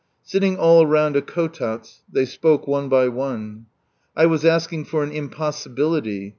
Sitting all round a kotats, they spoke one by one. I was asking for an impossibility.